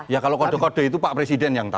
ya kalau kode kode itu pak presiden